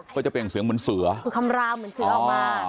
ก็จะเปลี่ยนเสียงเหมือนเสือคือคำรามเหมือนเสือออกมา